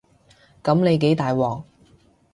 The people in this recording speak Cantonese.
噉你幾大鑊